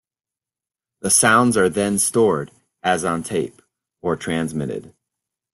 The sounds are then stored, as on tape, or transmitted.